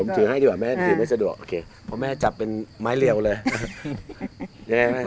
ถือให้ดีกว่าแม่ถือไม่สะดวกโอเคเพราะแม่จับเป็นไม้เรียวเลย